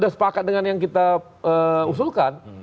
sudah sepakat dengan yang kita usulkan